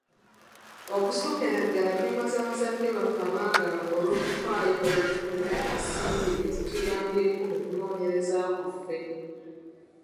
Okusookera ddala twebaza bakadde baffe abaagalwa olw'okufaayo ne batufunira ensimbi ezituyambyeko mu kunoonyereza kwaffe.